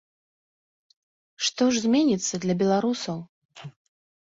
Што ж зменіцца для беларусаў?